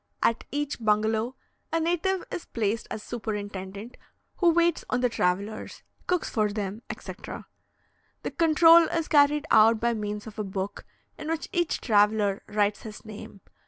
At each bungalow, a native is placed as superintendent, who waits on the travellers, cooks for them, etc. The control is carried out by means of a book, in which each traveller writes his name.